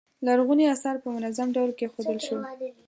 لرغوني اثار په منظم ډول کیښودل شول.